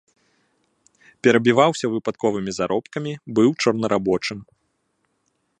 Перабіваўся выпадковымі заробкамі, быў чорнарабочым.